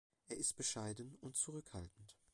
Er ist bescheiden und zurückhaltend.